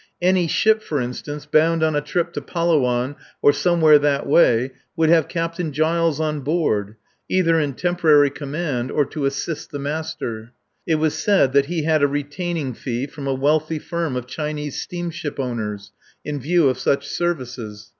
Any ship, for instance, bound on a trip to Palawan or somewhere that way would have Captain Giles on board, either in temporary command or "to assist the master." It was said that he had a retaining fee from a wealthy firm of Chinese steamship owners, in view of such services.